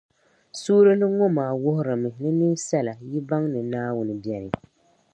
Suurili ŋɔ maa wuhirimi ni ninsala yi baŋ ni Naawuni beni.